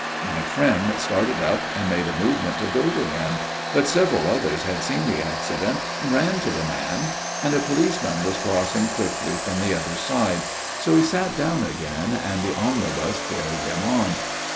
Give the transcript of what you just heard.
My friend started up and made a movement to go to him, but several others had seen the accident and ran to the man, and a policeman was crossing quickly from the other side, so he sat down again and the omnibus carried him on.